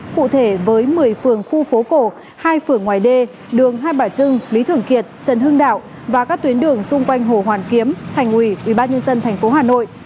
cụ thể với một mươi phường khu phố cổ hai phường ngoài đê đường hai bà trưng lý thường kiệt trần hưng đạo và các tuyến đường xung quanh hồ hoàn kiếm thành ủy ubnd tp hà nội